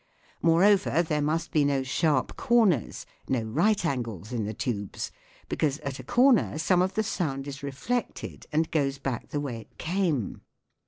Moreover, there must be no sharp corners, no right angles in the tubes, because at a corner some of the sound is reflected and goes back the way it came.